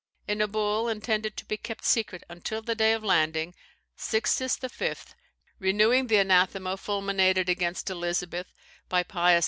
In a bull, intended to be kept secret until the day of landing, Sixtus V., renewing the anathema fulminated against Elizabeth by Pius V.